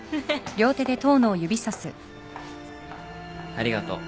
ありがとう。